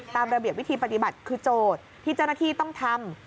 ตามระเบียบวิธีปฏิบัติคือโจทย์ที่เจ้าหน้าที่ต้องทำ